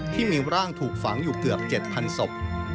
ที่มีร่างถูกฝังอยู่เกือบ๗๐๐ศพ